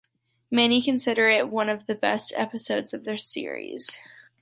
Many consider it one of the best episodes of the series.